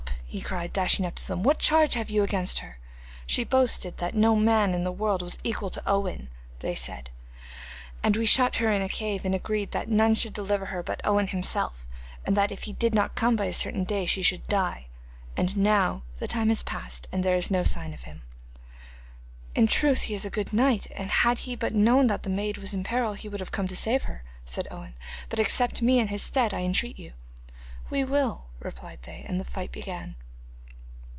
he cried, dashing up to them. 'What charge have you against her?' 'She boasted that no man in the world was equal to Owen,' said they, 'and we shut her in a cave, and agreed that none should deliver her but Owen himself, and that if he did not come by a certain day she should die. And now the time has past and there is no sign of him.' 'In truth he is a good knight, and had he but known that the maid was in peril he would have come to save her,' said Owen; 'but accept me in his stead, I entreat you.' 'We will,' replied they, and the fight began.